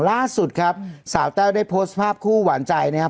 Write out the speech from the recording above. ล่าสุดครับสาวแต้วได้โพสต์ภาพคู่หวานใจนะครับ